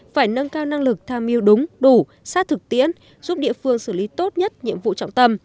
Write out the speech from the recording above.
phải nâng cao năng lực tham mưu đúng đủ sát thực tiễn giúp địa phương xử lý tốt nhất nhiệm vụ trọng tâm